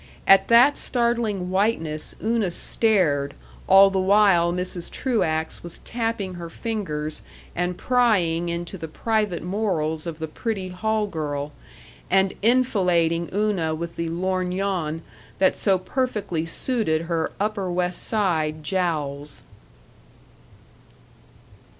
At that startling whiteness Una stared all the while Mrs. Truax was tapping her fingers and prying into the private morals of the pretty hall girl, and enfilading Una with the lorgnon that so perfectly suited her Upper West Side jowls.